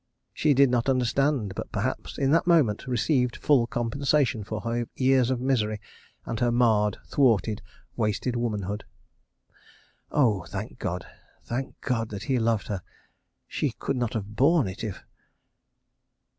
She did not understand—but perhaps, in that moment, received full compensation for her years of misery, and her marred, thwarted, wasted womanhood. Oh, thank God; thank God, that he loved her ... she could not have borne it if